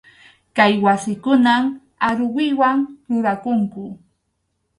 Kay wasikunan aruwiwan rurakunku.